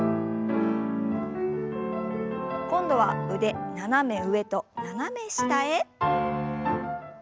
今度は腕斜め上と斜め下へ。